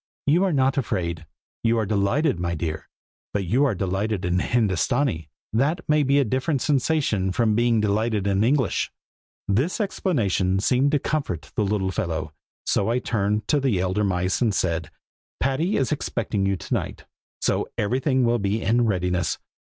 "You are not afraid. You are delighted, my dear, but you are delighted in Hindostanee, and that may be a different sensation from being delighted in English." This explanation seemed to comfort the little fellow, so I turned to the elder mice and said, "Patty is expecting you to night, so everything will be in readiness.